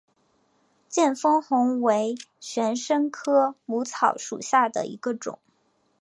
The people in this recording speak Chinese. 见风红为玄参科母草属下的一个种。